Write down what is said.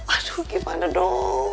aduh gimana dong